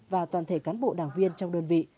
và toàn thể cán bộ đảng viên trong đơn vị